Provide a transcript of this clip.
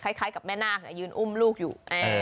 คล้ายกับแม่นาคยืนอุ้มลูกอยู่